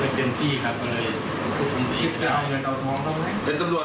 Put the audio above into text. ได้ตั้งใจและกิจตนานะครับ